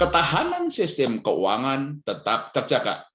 ketahanan sistem keuangan tetap terjaga